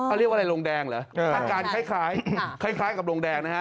อันเรียกว่าอะไรโรงแดงเหรออาการคล้ายกับโรงแดง